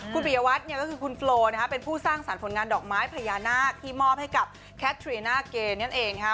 คุณปิยวัตรเนี่ยก็คือคุณโปรนะฮะเป็นผู้สร้างสรรค์ผลงานดอกไม้พญานาคที่มอบให้กับแคทรีน่าเกนั่นเองนะคะ